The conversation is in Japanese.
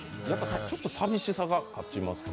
ちょっと寂しさが勝ちますか？